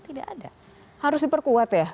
tidak ada harus diperkuat ya